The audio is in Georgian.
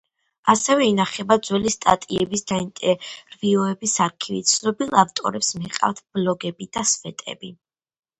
ასევე ინახება ძველი სტატიების და ინტერვიუების არქივი, ცნობილ ავტორებს მიჰყავთ ბლოგები და სვეტები.